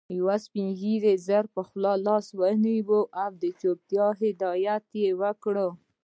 يو سپين ږيري ژر پر خوله لاس ونيو او د چوپتيا هدایت يې وکړ.